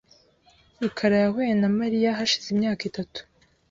rukara yahuye na Mariya hashize imyaka itatu .